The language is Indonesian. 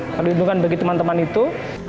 perlindungan bagi teman teman itu